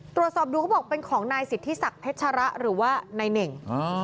ตรวจสอบดูก็บอกเป็นของนายศิษย์ที่ศักดิ์เทชระหรือว่าในเหน่งอ๋อ